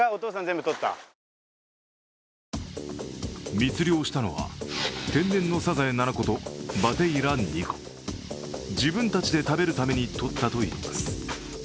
密漁したのは天然のサザエ７個とバテイラ２個自分たちで食べるためにとったといいます。